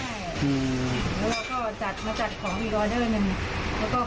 เราก็มาจัดของอีกออเดอร์หนึ่ง